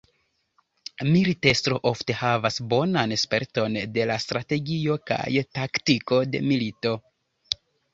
Militestro ofte havas bonan sperton de la strategio kaj taktiko de milito.